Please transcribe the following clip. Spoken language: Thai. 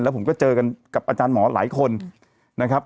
ผมก็เจอกันกับอาจารย์หมอหลายคนนะครับ